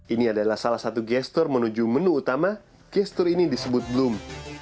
ini adalah salah satu gestur menuju menu utama gestur ini disebut bloom